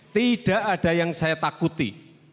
tidak ada yang saya takuti